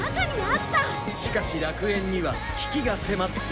しかし楽園には危機が迫っていた